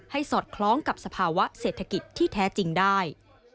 สอดคล้องกับสภาวะเศรษฐกิจที่แท้จริงได้